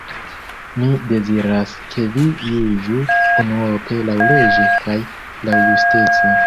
Mi deziras, ke vi juĝu unuope laŭleĝe kaj laŭjustece.